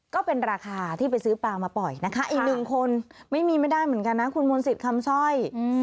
ก็เป็นราคาที่ไปซื้อปลามาปล่อยนะคะอีกหนึ่งคนไม่มีไม่ได้เหมือนกันนะคุณมนต์สิทธิ์คำสร้อย